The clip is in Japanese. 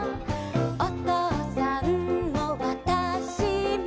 「おとうさんもわたしも」